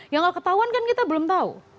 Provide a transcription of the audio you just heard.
yang nggak ketahuan kan kita belum tahu